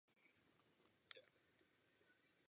Získal přezdívku „Maršál kupředu“.